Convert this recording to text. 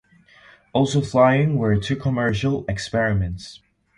Also flying were two commercial experiments.